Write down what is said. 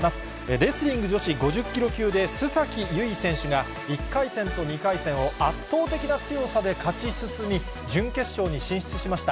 レスリング女子５０キロ級で須崎優衣選手が、１回戦と２回戦を圧倒的な強さで勝ち進み、準決勝に進出しました。